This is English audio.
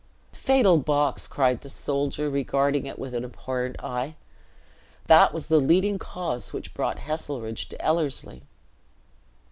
"Fatal box!" cried the soldier, regarding it with an abhorrent eye, "that was the leading cause which brought Heselrigge to Ellerslie."